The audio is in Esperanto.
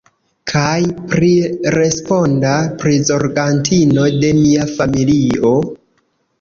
Kaj priresponda prizorgantino de mia familio?